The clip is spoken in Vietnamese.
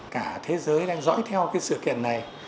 cả thế giới đang dõi theo cái sự kiện này